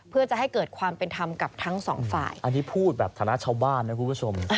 เพื่อจะให้เกิดความเป็นธรรมกับทั้งสองฝ่ายอันนี้พูดแบบฐานะชาวบ้านนะคุณผู้ชม